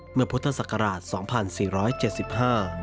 เมื่อพุทธศักราช๒๔๗๕